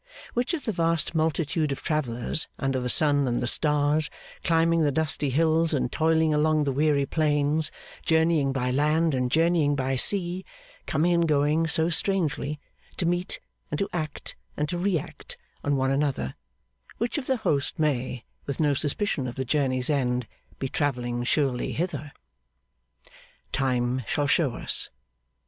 Which of the vast multitude of travellers, under the sun and the stars, climbing the dusty hills and toiling along the weary plains, journeying by land and journeying by sea, coming and going so strangely, to meet and to act and react on one another; which of the host may, with no suspicion of the journey's end, be travelling surely hither? Time shall show us.